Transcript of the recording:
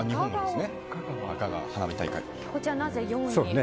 こちら、なぜ４位に？